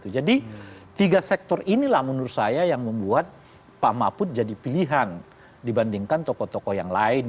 jadi tiga sektor inilah menurut saya yang membuat pak mahfud jadi pilihan dibandingkan tokoh tokoh yang lain